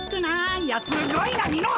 いやすっごいなミノあ！